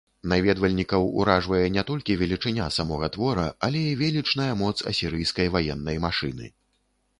Наведвальнікаў уражвае не толькі велічыня самога твора, але і велічная моц асірыйскай ваеннай машыны.